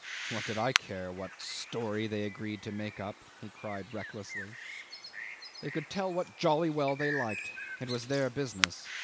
"What did I care what story they agreed to make up?" he cried recklessly. "They could tell what they jolly well liked. It was their business.